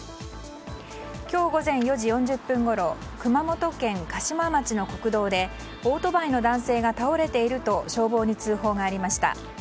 今日午前４時４０分ごろ熊本県嘉島町の国道でオートバイの男性が倒れていると消防に通報がありました。